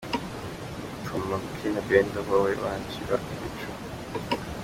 Utuma mbyina bend over wowe wanshira ibicu.